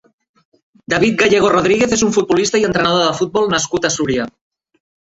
David Gallego Rodríguez és un futbolista i entrenador de futbol nascut a Súria.